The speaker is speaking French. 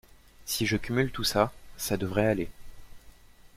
Si je cumule tout ça, ça devrait aller.